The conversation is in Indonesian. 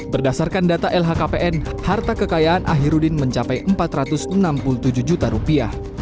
berdasarkan data lhkpn harta kekayaan ahirudin mencapai empat ratus enam puluh tujuh juta rupiah